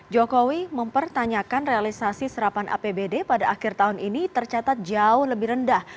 jokowi mempertanyakan realisasi serapan apbd pada akhir tahun ini tercatat jauh lebih rendah